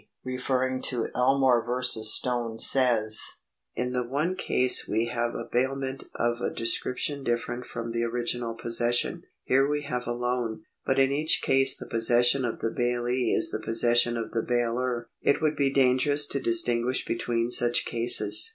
referring to Elmore v. Stone, says :^" In the one case we have a bailment of a description different from the original possession ; here we have a loan ; but in each case the possession of the bailee is the possession of the bailor ; it would bo dangerous to distinguish between such cases."